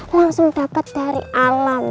langsung dapat dari alam